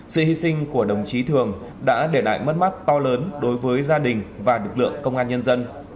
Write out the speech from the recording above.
sự hy sinh của đồng chí thường đã để lại mất mát to lớn đối với gia đình và lực lượng công an nhân dân